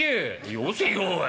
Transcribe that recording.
「よせよおい。